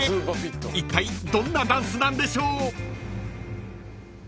［いったいどんなダンスなんでしょう］